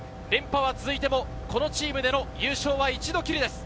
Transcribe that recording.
連覇は続いても、このチームでの優勝は一度きりです。